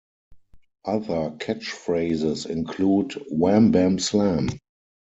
Other catch phrases include Wham Bam Slam!